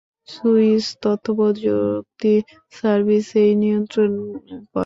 Swiss তথ্য প্রযুক্তি service এটি নিয়ন্ত্রণ করে।